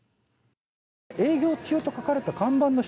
営業中と書かれた看板の下